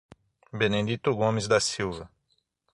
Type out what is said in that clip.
Benedito Gomes da Silva